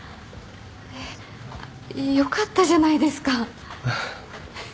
よかったじゃないですか。